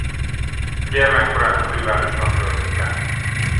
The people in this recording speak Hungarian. Gyermekkorát a fővárosban töltötte.